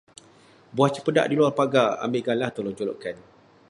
Buah cempedak di luar pagar, ambil galah tolong jolokkan.